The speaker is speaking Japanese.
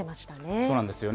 そうなんですよね。